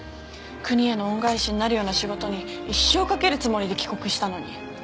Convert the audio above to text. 国への恩返しになるような仕事に一生を懸けるつもりで帰国したのに。